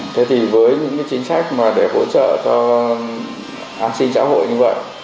thế thì với những cái chính sách mà để hỗ trợ cho an sinh xã hội như vậy